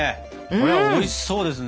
これはおいしそうですね。